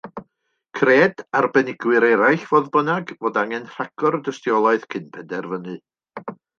Cred arbenigwyr eraill, fodd bynnag, fod angen rhagor o dystiolaeth cyn penderfynu.